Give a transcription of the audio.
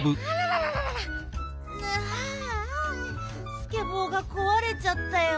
スケボーがこわれちゃったよ。